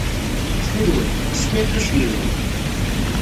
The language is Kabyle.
Ttxil-wen, kkset irkasen-nwen.